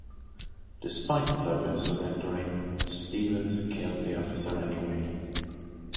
Despite Logan surrendering, Stevens kills the officer anyway.